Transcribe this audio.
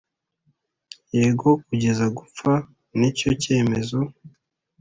yego kugeza gupfa nicyo cyemezo